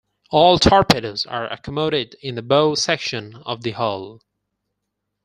All torpedoes are accommodated in the bow section of the hull.